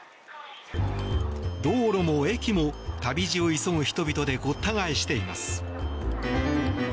道路も駅も旅路を急ぐ人々でごった返しています。